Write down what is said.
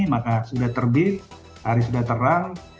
maka sudah terbit hari sudah terang